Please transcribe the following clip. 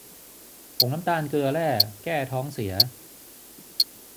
ผงน้ำตาลเกลือแร่ แก้ท้องเสีย